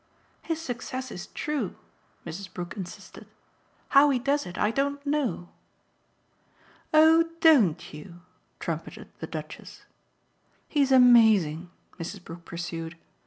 "His success is true," Mrs. Brook insisted. "How he does it I don't know." "Oh DON'T you?" trumpeted the Duchess. "He's amazing," Mrs. Brook pursued.